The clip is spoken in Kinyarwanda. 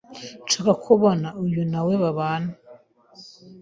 nshaka kubona uyu nawe babana”